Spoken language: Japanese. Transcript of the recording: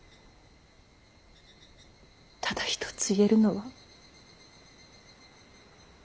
ただ一つ言えるのは。